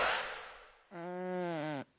うん。